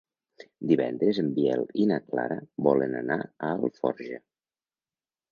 Divendres en Biel i na Clara volen anar a Alforja.